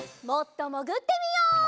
もっともぐってみよう。